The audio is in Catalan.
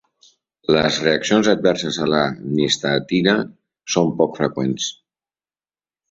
Les reaccions adverses a la nistatina són poc freqüents.